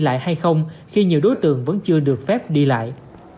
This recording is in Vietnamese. lại hay không khi nhiều đối tượng vẫn chưa được phép đi lại